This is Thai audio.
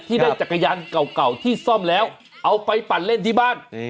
ได้จักรยานเก่าที่ซ่อมแล้วเอาไปปั่นเล่นที่บ้าน